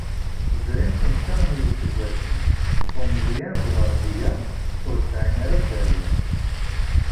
Zrin xemsa n yiseggasen, Umeẓyan d Werdiya ur sɛin ara dderya.